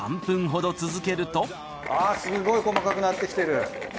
あぁすごい細かくなってきてる！